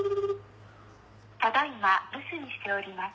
ただ今留守にしております。